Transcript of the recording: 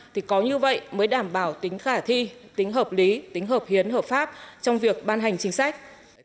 thì có như vậy mới đảm bảo tính khả thi tính hợp lý tính hợp hiến hợp pháp trong việc ban hành chính sách